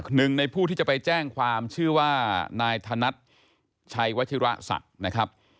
หนึ่งในผู้ที่จะไปแจ้งความชื่อว่านายธนัดชัยวชิระศักดิ์นะครับ